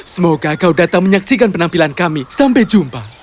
semoga kau datang menyaksikan penampilan kami sampai jumpa